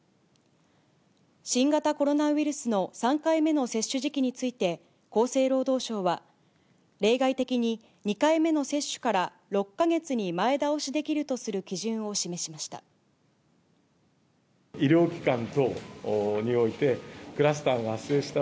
新型コロナウイルスの３回目の接種時期について、厚生労働省は、例外的に２回目の接種から６か月に前倒しできるとする基準を示しました。